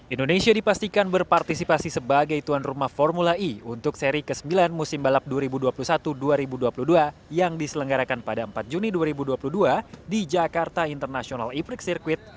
indonesia dipastikan berpartisipasi sebagai tuan rumah formula e untuk seri ke sembilan musim balap dua ribu dua puluh satu dua ribu dua puluh dua yang diselenggarakan pada empat juni dua ribu dua puluh dua di jakarta international e prix circuit